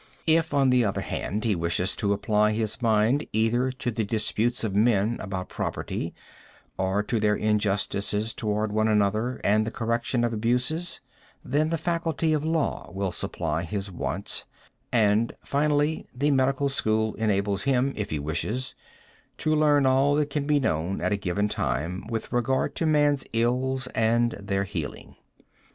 If, on the other hand, he wishes to apply his mind either to the disputes of men about property, or to their injustices toward one another and the correction of abuses, then the faculty of law will supply his wants, and finally the medical school enables him, if he wishes, to learn all that can be known at a given time with regard to man's ills and their healing.